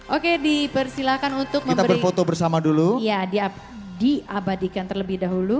oke di persilahkan untuk kita berfoto bersama dulu ya diap diabadikan terlebih dahulu